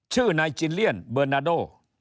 ชื่อนายจิลเลียนเบอร์นาโด